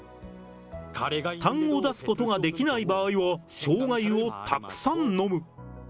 たんを出すことができない場合はしょうが湯をたくさん飲む。